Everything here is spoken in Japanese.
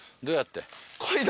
どうやって？